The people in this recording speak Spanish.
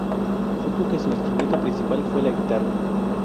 Supo que su instrumento principal fue la guitarra.